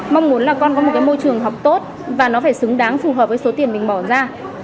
mong muốn là con có một cái môi trường học tốt và nó phải xứng đáng phù hợp với số tiền mình bỏ ra